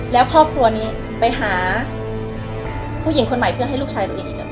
แล้วครอบครัวนี้ไปหาผู้หญิงคนใหม่เพื่อให้ลูกชายตัวเองอีก